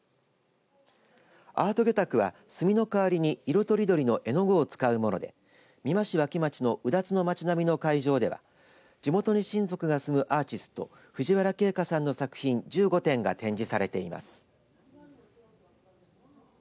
アート魚拓は墨の代わりに色とりどりの絵の具を使うもので美馬市脇町のうだつの町並みの海上では地元に親族が住むアーティスト藤原慧花さんの作品１５点が展示されています。